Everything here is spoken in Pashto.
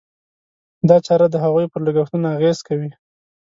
دا چاره د هغوی پر لګښتونو اغېز کوي.